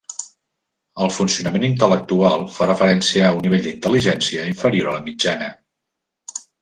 El funcionament intel·lectual fa referència a un nivell d'intel·ligència inferior a la mitjana.